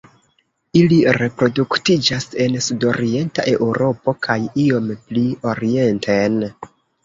Ili reproduktiĝas en sudorienta Eŭropo kaj iom pli orienten.